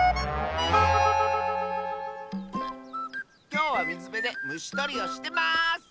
きょうはみずべでむしとりをしてます！